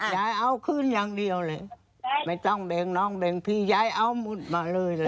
ยายเอาคืนอย่างเดียวเลยไม่ต้องแบ่งน้องแบ่งพี่ยายเอาหมดมาเลยเลย